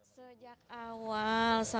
sejak awal saya